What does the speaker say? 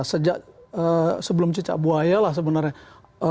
sejak sebelum cicak buaya lah sebenarnya